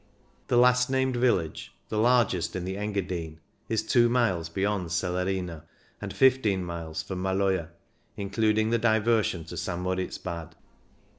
The last named village — the largest in the Engadine — is two miles beyond Celerina, and 15 miles from Maloja, including the diversion to St Moritz Bad.